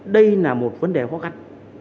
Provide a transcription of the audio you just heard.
đây là một vấn đề khó khăn